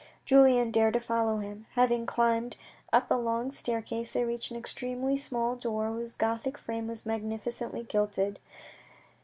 Julien dared to follow him. Having climbed up a long staircase, they reached an extremely small door whose Gothic frame was magnificently gilded.